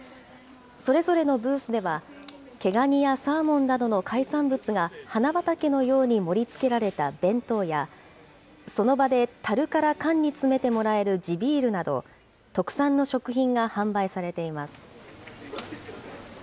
それぞれのブースでは、毛ガニやサーモンなどの海産物が花畑のように盛りつけられた弁当や、その場でたるから缶に詰めてもらえる地ビールなど、特産の食品が販売されています。